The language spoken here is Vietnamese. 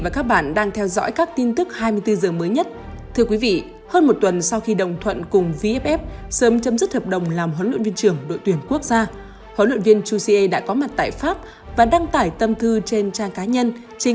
các bạn hãy đăng ký kênh để ủng hộ kênh của chúng mình nhé